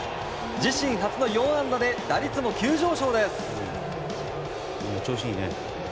自身初の４安打で打率も急上昇です。